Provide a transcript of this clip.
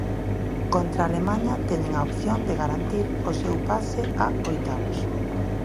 Contra Alemaña teñen a opción de garantir o seu pase a oitavos.